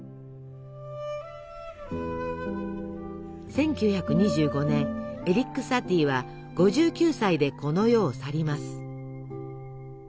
１９２５年エリック・サティは５９歳でこの世を去ります。